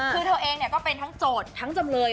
คือเธอเองก็เป็นทั้งโจทย์ทั้งจำเลย